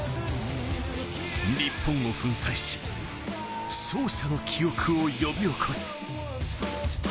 日本粉砕し、勝者の記憶を呼び起こす。